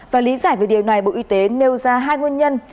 và lý giải về điều này bộ y tế nêu ra hai nguyên nhân